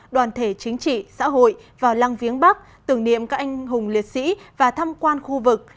đoàn thể chính trị xã hội vào lăng viếng bắc tưởng niệm các anh hùng liệt sĩ và thăm quan khu vực